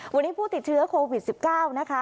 วันนี้ผู้ติดเชื้อโควิด๑๙นะคะ